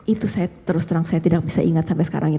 itu saya terus terang saya tidak bisa ingat sampai sekarang